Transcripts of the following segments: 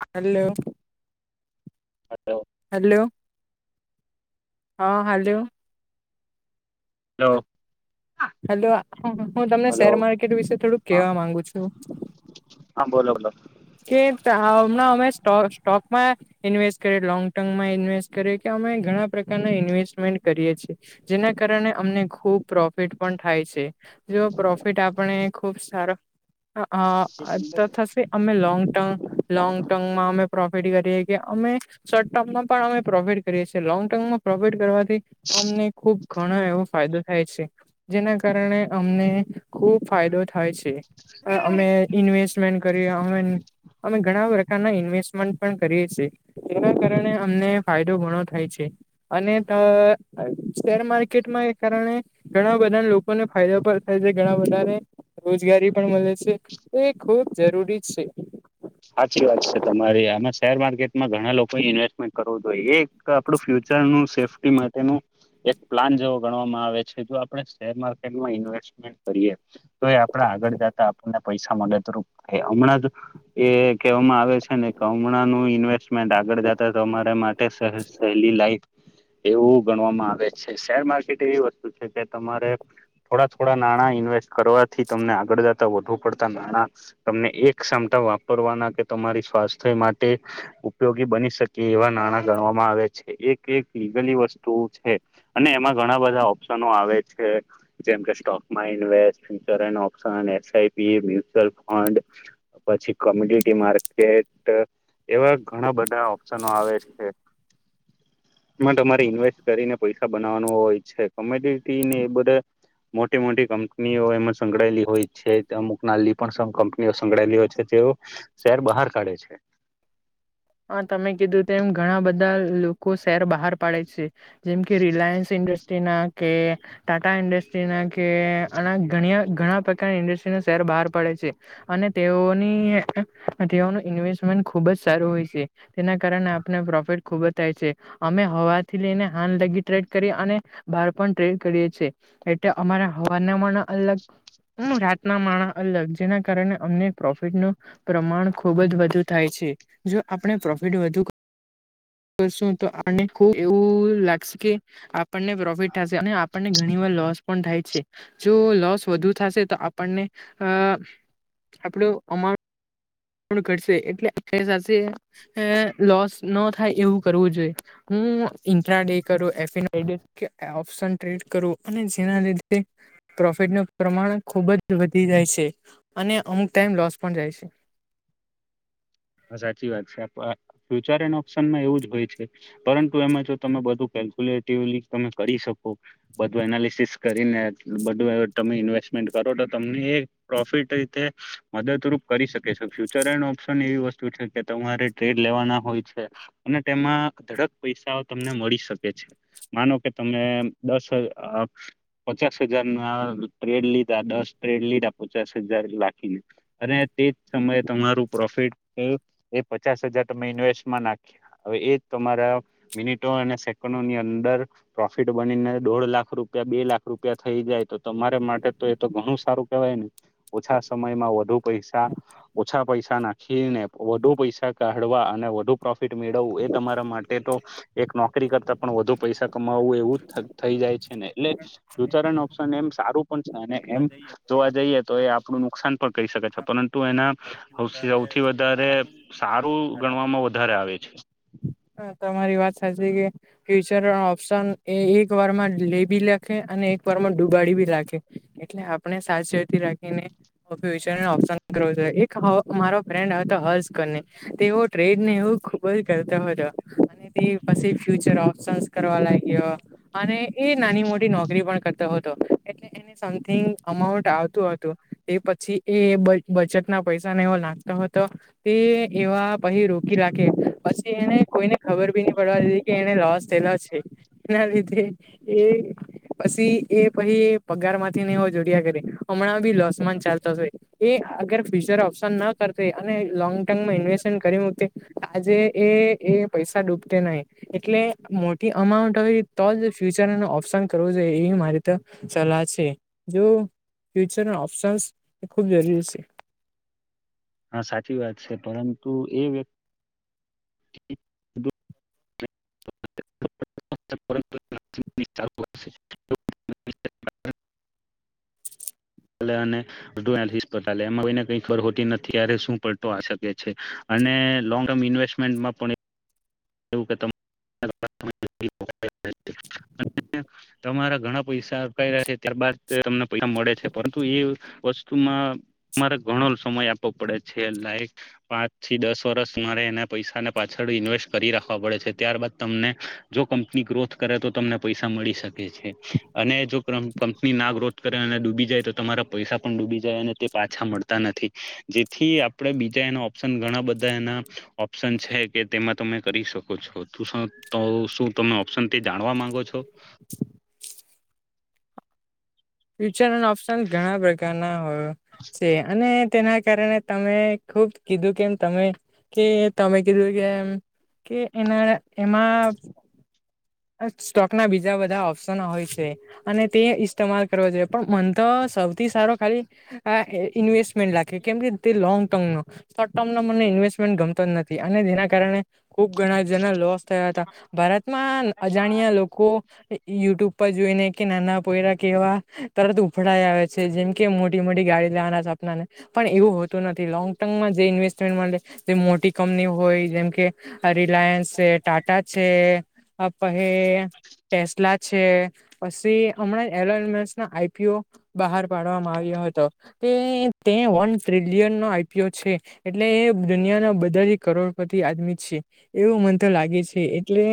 હાલો. Hello hello હા હલોલો. Hello. Hello હું તમને શેર હલો માર્કેટ વિશે થોડુંક હા કેવા માંગુ છું. હા બોલો બોલો એતા હ. અમે સ્ટોક ઇન્વેસ્ટ કરીંગ ટર્મમાં ઇન્વેસ્ટ કરીએ કે અમે ઘણા પ્રકારના- - ઇન્વેસ્ટમેન્ટ કરીએ છીએ. જેના કારણે અમને ખુબ પ્રોફિટ પણ થાય છે જો પ્રોફિટ આપણે- - ખુબ સારો. તો સાચી થશે અમે લોંગ ટર્મ લોંગ ટર્મમાં અમે પ્રોફિટ- - અમે શોર્ટ ટર્મમાં પણ અમે પ્રોફિટ કરીએ છીએ લોંગ ટર્મમાં પ્રોફિટ કરવાથી- - અમને ખુબ ઘણા એવો ફાયદો થાય છે જેના કારણે અમને- - ખુબ ફાયદો થાય છે અમે ઇન્વેસ્ટમેન્ટ કરી અમે- - અમે ઘણા- - ઇન્વેસ્ટમેન્ટ પણ કરીએ છે એના કારણે અમને ફાયદો ઘણો થાય છે અને- - અ શેર માર્કેટમાં એ કારણે- - ઘણા બધા લોકોને ફાયદા પણ થાય છે ઘણા બધાને રોજગારી પણ મળે છે એ ખૂબ જરૂરી છે સાચી વાત છે તમારી આમાં શેર માર્કેટમાં ઘણા લોકોએ ઇન્વેસ્ટમેન્ટ કરવું જોઈએ એ એક આપડું ફ્યુચર વિચાર નું સેફ્ટી માટેનું એક પ્લાન જેવો ગણવામાં આવે છે જો આપણે શેર માર્કેટમાં ઇન્વેસ્ટમેન્ટ કરીએ તો એ આપ આગળ જતા આપણને પૈસા મળે તો રપ થ હમણાં એ કહેવામાં આવે છે ને કમણા નું ઇન્વેસ્ટ મે આગળ જતા તમારા માટે સહેલી લાઈક એવું ગણવામાં આવે છે શેર માર્કેટ એવી વસ્તુ છે કે તમારે થોડા થોડા નાણાં ઈન્વેસ્ટ કરવાથી તમને આગળ જતા વધુ પડતા નાણાં તમને એક ક્ષમતા વાપ ના કે તમારી સ્વાસ્થ્ય માટે ઉપયોગી બની શકે એવા નાણાં ગણવામાં આવે છે એક એક લીગલી વસ્તુ છે અને એમાં ઘણા બધા ઓપ્શનો આવે છે જેમ કે સ્ટોકમાં invest future option SIP mutual fund પછી કોમ્યુનિટી માર્કેટ એવા ઘણા બધા ઓપ્શનો આવે છે માં તમારે ઇન્વેસ્ટ કરીને પૈસા બનાવવાનું હોય છે કોમોડિટીને એ બધા મોટી મોટી કંપનીઓ એમાં સંકળાયેલી હોય છે અમુક નાની પણ કંપનીઓ સંકળાયેલી હોય છે તે શેર બહાર કાઢે છે હા તમે કીધું તેમ એમ ઘણા બધા લોકો શહેર બહાર પાડે છે જેમ કે રિલાયન્સ ઇન્ડસ્ટ્રી ના કે ટાટા ઇન્ડસ્ટ્રી ના કે અને ઘણી ઘણા પ્રકારની ઇ શર બહાર પડે છે અને તે તેઓનું ઇન્વેસ્ટમેન્ટ ખુબ જ સારું હોય છે આપ પ્રોફિટ ખુબ જ થાય છે અમે હવાથી લઈને હાલ લગી ટડ કરી ડ કરી એટલે અમા હવા અગ હમ રાતના માળા અલગ જેના કારણે અમને પ્રોફિટનું પ્રમાણ ખુબ જ વધુ થાય છે જો આપણે પ્રોફિટ વધુ શું તો આપને ખુબ એવું લાગશે કે આપણને પ્રોફિટ થશે અને આપણને ઘણી વાર લોસ થાય છે જો લોસ વધુ થશે તો આપણને અ આપડું અમાઉન્ટ ઘ એટલે આખ સાથે લોસ ન થાય એવું કરવું જોઈએ હું ઇન્ટ્રા ડે કરું એફ ઓપ્શન ટ્રેડ કરું અને જેના લીધે પ્રોફિટનું પ્રમાણ ખુબ જ વધી જાય છે અને અમુક ટાઈમ લોસ પણ જાય છે સાચી વાત છે ફ્યુચર એન્ડ ઓપ્શનમાં એવું જ હોય છે પરંતુ એમાં જો તમે બધું તમે કરી શકો બધું એનાલિસસ કરીને બું તમે ઇન્વેસ્ટમેન્ટ ો તો તમને પ્રોફિટ રીતે મદદરૂપ કરી શકે છે ફ્યુચર એન્ડ ઓપ્શન એવી વસ્તુ કે તમારે ટ્રેડ લેવાના હોય છે અને તેમાં ધડક પૈસાઓ તમને મળી શકે છે માનો કે તમે દસ પચાસ હજાર ના ટ્રેડ લીધા દસ ટ્રેડ લીધા પચાસ હજાર લખીને અને તે જ સમયે તમારું પ્રોફિટ એ પચાસ હજાર તમે ઇન્વેસ્ટમાં નાખ્યા હવે એ તમારા મિનટ અને ની અંદર પ્રોફિટ બનીને દોઢ લાખ રૂપિયા બે લાખ રૂપિયા થઈ જાય તો તમારે માટે તો એ તો ઘણું સારું કેવાય ને ઓછા સમયમાં વધુ પૈસા ઓછા પૈસા નાખ છી ને વધુ પૈસા કાઢવા અને વધુ પ્રોફિટ મેળવવું એ તમારા માટે તો એક નોકરી તા પણ વધુ પૈસા કમાવવું એવું થઈ જાય છે ને એટલેતરણ ઓપ્શન એમ સારું એમ જોવા જઈએ તો એ આપણું નુકસાન પણ કહી શકે છે પરંતુ એના ત સૌથી વધારે સારું ગણવામાં વધારે આવે છે હ તમારી વાત સાચી કે ફ્યુચર ઓપ્શન એ એક વાર માં લે બી લખે અને એક વારમાં ડુબાડીી રાખે એટલે આપ સાચ રાખીને ઓપ્શન મારો ફ્રેન્ડ હતો હર્સકને તેઓ ટ્રેડને એવું ખુબ જ કરતા હતો અને તે પછી ફ્યુચર ઓપ્શનસ કરવા લાગ્યો અને એ નાની મોટી નોકરી પણ કર સમિંગ અમાઉન્ટ આવતું હતું એ પછી એ બજેટના પૈસા ને એવો લાગતો હતો તે એવા પછ રોકી રાખે પછી એને કોઈને ખબર બી નહી પડવા દી કે એને લોસ થયેલો છે એના લીધે એ પછી એ પછી પગાર માંથી નહી હો જોડયા કરે હમણાં બ લોસન ચાલતો એ અગર ફ્યુચર ઓપ્શન ના કર અને લોંગ ટર્મમાં ઇન્વેસ્ટમેન્ટ કરી આજે એ એ પૈસા ડૂબ નહી એટલે મોટી અમાઉન્ટ હોય તો જ ફ્યુચર ન ઓપ્શન કરવો જોઈએ એ મારી તો સલાહ છે જો ફ્યુચરના ઓપ્શન્સ એ ખૂબ જરૂરી છે હા સાચી વાત છે પરંતુ એ વ્યક્તિ [inaudible] અનેસ્પ એમાં કોઈને કઈ ખબર હોતી નથી અ શું પલતો આ શકે છે અને લોંગ ટર્મ ઇન્વેસ્ટમેન્ટમાં પણ એવું કે તમારા ઘણા પૈસા અપાય્યા છે ત્યારબાદ તમને પૈસા મળે છે પરંતુ એ વસ્તુ મારે ઘણો સમય આપવો પડે છે લક પાંચ થી દસ વર્ષ મારે એના પૈસા ના પાછળ ઇન્વેસ્ટ કરી રાખવા પડે છે ત્યારબાદ તમને જો કંપની ગ્રોથ કરે તો તમને પૈસા મળી શકે છે અને જો કંપની ના ગ્રોથ કરે અને ડૂબી જાય તો તમારા પૈસા પણ ડૂબી જાય અને તે પાછા મળતા નથી જેથી આપણે બીજા એ ઓપ્ન ઘણા બધા એના ઓપ્શન છે કે તેમાં તમે કરી શકો છો ત તો શું તમે ઓપ્શન તે જાણવા માંગો છો ઓશન ઓપ્શન ઘણા પ્રકારના હો છે અને તેના કારણે તમે ખુબ કીધું કેમ તમે કે તમે કીધું કે એમ કે એના એમાં સ્ટોક ના બીજા બધા ઓપ્શન હોય છે અને તે ઇસ્તેમાલ કરવો જોઈએ પણ મન તો સૌથી સારો ખાલી ઇન્વેસ્ટમેન્ટ લખે કેમ કે તે લોંગ ટર્મનો શોર્ટ ટર્મનો મને ઇન્વેસ્ટમેન્ટ ગમતો જ નથી અને તેના કારણે ખુબ ઘણા લોસ થયા હતા ભારતમાં અજાણ્યા લોકો યુટ્યુબ પપ્પા જોઈને કે નાના પોરા કેવા તરત ઉફડ આવે છે જેમ કે મોટી મોટી ગાડી લેવાના પણ એવું હોતું નથી લોંગ ટર્મમાં જે ઇન્વેસ્ટ જે મોટી કંપની હોય જેમ કે રિલાયન્સ છે ટાટા છે અ પ હ ટેસલા છે પછી હમણાં એ આઈપીુ બહાર પાડવામાં આવ્યો હતો તે તે વન ટ્રિલિયન નો આઈપીઓ છે એટલે એ દુનિયાના બધા જ કરોડપતિ આમી છે એવું મન તો લાગે છે એટલે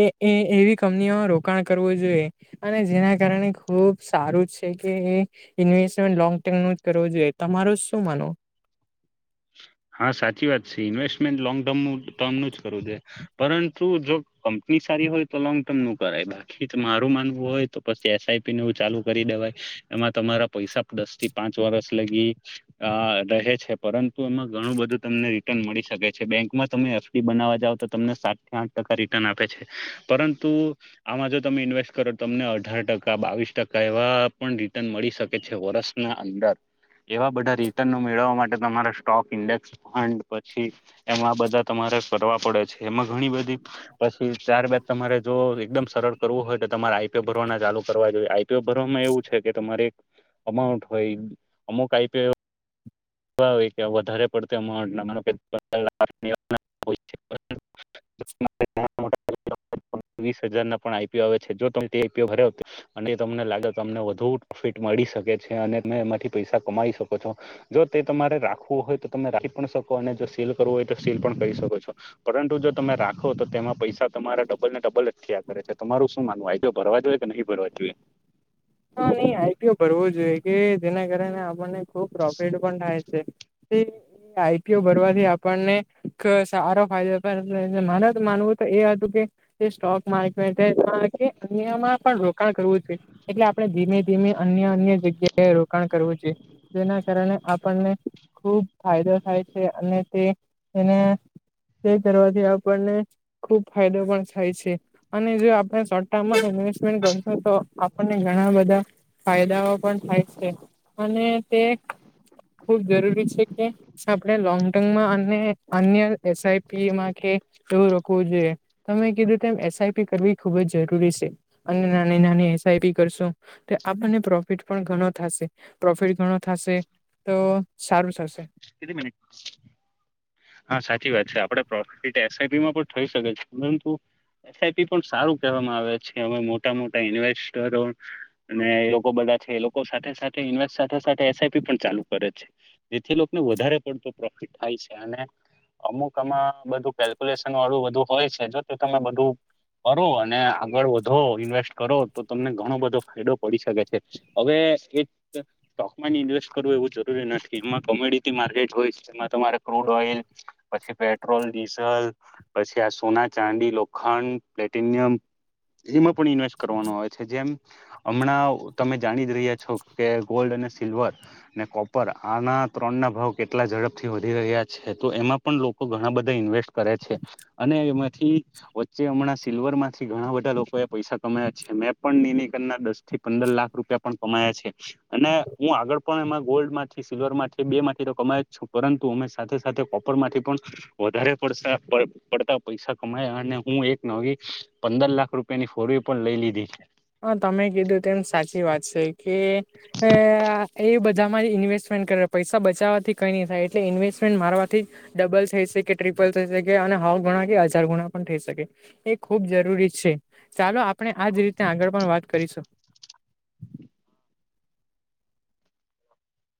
એ એ એવી કંપનીઓમાં રોકાણ કરવું જોઈએ અને જેના કારણે ખુબ સારું કે ઇવેસ્ટમે ટમ કરવું જોઈએ તમારો શું માનો [inaudible] હા સાચી વાત છે ઇન્વેસ્ટમેન્ટ લોંગ ટર્મ ટર્મનું જ કરવું છે પરંતુ જો ક ની સારી હોય તો લોંગ ટર્મ નું કરાય બાકી તો મારું માનવું હોય તો પછી એસઆઈપીનેું ચાલુ કરી દેવાય એમાં તમારા પૈસા દસ થી પાંચ વરષ લગી આ રહે છે પરંતુ એમાં ઘણું બધું તમને રિટર્ન મળી શકે છે બેંકમાં તમે એફડી બનાવવા જાવ તો તમને સાત થી આઠ ટકા રિટર્ન આપે છે પરંતુ આમાં જો તમે ઇન્વેસ્ટ કરો તમને અઢાર ટકા બાવીસ ટકા એવા પણ રટન મળી શકે છે વર્ષના અંદર એવા બધા રિટર્ન મેળવવા માટે તમારા સ્ટોક ઇન્ડેક્સ ફંડ પછી એમાં બધા તમારે કરવા પડે છે એમાં ઘણી બધી પછી ત્યારબાદ તમારે જો એકદમ સરળ કરવું હોય તો તમારે આઈપીઓ ભરવાના ચાલુ કરવા જોઈએ આઈપીઓ ભરવામાં એવું છે કે તમારે અમાઉન્ટ હોય અમુક આપે કે વધારે પડતું અમાઉન્ટ લા [unintelligible] વીસ હજાર ના પણ આઈપીઓ આવે છે જો તમ તે આઈપીઓ ભર અને તમને લાગે કે અમને વધુ પ્રોફિટ મળી શકે છે અને ત એમાંથી પૈસા કમાઈ શકો છો જો તે તમારે રાખવું હોય તો તમે રાખી પણ શકો અને જો સીલ કરવું હોય તો સીલ પણ કરી શકો છો પરંતુ જો તમે રાખો તો તેમાં પૈસા તમારા ડબલ ને ડબલ જ થયા કરે છે તમારું શું માનવું હોય ભરવા જોઈએ કે નહીં ભરવા જોઈએ હા નઈ આઈપીઓ ભરવું જોઈએ કે જેના કારણે આપણને ખુબ પ્રોફિટ પણ થાય છે તે આઈપીયુ ભરવાથી આપણને સારો ફાયદો મારે તો માનવું તો એ હતું કે સ્ટોક માર્કેટ અનમાં પણ રોકાણ કરવું જોઈએ એટલે આપણે ધીમે ધીમે અન્ય અન્ય જગ્યાએ રોકાણ કરવું જોઈએ જેના કારણે આપણને ખુબ ફાયદો થાય છે અને તે તેને તે કરવાથી આપણને ખુબ ફાયદો પણ થાય છે અને જો આપ શોટ ટમ તો આપણને ઘણા બધા ફાયદાઓ પણ થાય છે અને તે ખુબ જરૂરી છે આપણે લોંગ ટર્મમાં અને અન્ય એસઆઈપીમાં કે એવું રોકવું જોઈએ કીધું એસઆઈપી કરવી ખુબ જ જરૂરી છે અને નાની નાની આપને પ્રોફિટ પણ ઘણો થશે પ્રોફિટ ગણો થશે તો સારું થશે કેટલી મિનટ હા સાચી વાત છે આપડ પ્રોફિટ એસઆઈબી માં પણ થઈ શકે છે પરંતુ એસઆઈપી પણ સારું કહેવામાં આવે છે હવે મોટા મોટા ઇન્વેસ્ટરો અને એ લોકો બધા સી પણ ચાલુ કરે છે જેથી ને વધારે પડતો પ્રોફિટ થાય છે અને અમુક આમાં બધું કેલ્ક્યુલેશન વાળું બધું હોય છે જો તો તમે બધું કરો અને આગળ વધો ઇન્વેસ્ટ કરો તો તમને ઘણો બધો ફાયદો પડી શકે છે હવે સ્ટોકમાં ઇન્વેસ્ટ કરવું એવું જરૂરી નથી એમાં કોમેડી ટી માર્કેટ હોય છે જેમાં તમારે ક્રૂડ ઓઈલ પછી પેટ્રોલ ડીઝલ પછી આ સોના ચાંદી લોખંડ પ્લેટિનિયમ એમાં પણ ઇન્વેસ્ટ કરવાનો આવે છે જેમ હમણાં તમે જાણી જ રહ્યા છો કે ગોલ્ડ સિલ્વર અને કોપર આના ત્રણ ના ભાવ કેટલા ઝડપથી વધી રહ્યા છે તો એમાં પણ લોકો ઘણા બધા ઇન્વેસ્ટ કરે છે અને એમાં વચ્ચે હમણાં સિલ્વર માંથી ઘણા બધા લોકો એ પૈસા કમાયા છે મેં પણ નિકરના દ પંદર લાખ રૂપિયા પણ કમાયા છે અને હું આગળ પણ એમાં ગોલ્ડ માંથી સિલ્વર માંથી બે તો કમાય જ છ પરંતુ અમે સાથે સાથે કોપર માંથી પણ વધારે પડ પડતા પૈસા હમણાં અને હું એક નવી પંદર લાખ રૂપિયાની ફોરી પણ લઈ લીધી છે. હા તમે કીધું તેમ સાચી વાત છે કે એ બધામાં જ ઇન્વેસ્ટમે કરે પૈસા બચાવવાથી કઈ નહી થાય એટલે ઇન્વેસ્ટમેન્ટ મારવાથી ડબલ થઈ શકે ટ્રીપલ થઈ શકે અને ગ [unintelligible] કે હજાર ગુણા થઈ શકે એ ખબ જરૂરી છે ચાલો આપ આપણે આજ રીતે આગળ પણ વાત કરીશું.